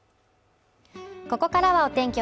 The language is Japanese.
ここからはお天気